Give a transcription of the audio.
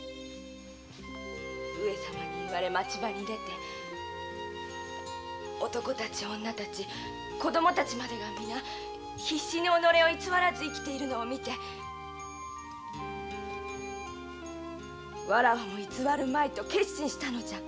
上様に言われ町場に出て男たちや女たち子供たちまでが必死に己を偽らずに生きているのを見てわらわも己を偽るまいと決心したのじゃ。